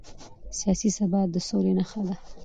سیاسي ثبات د سولې نښه ده